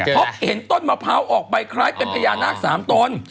เพราะเห็นต้นมะพร้าวออกไปคล้ายเป็นพญานาคสามตน